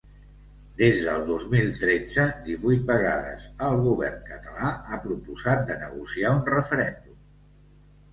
Des del dos mil tretze, divuit vegades el govern català ha proposat de negociar un referèndum.